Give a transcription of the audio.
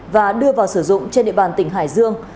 và đưa vào sử dụng trên địa bàn tỉnh hải dương